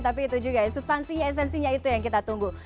tapi itu juga ya substansinya esensinya itu yang kita tunggu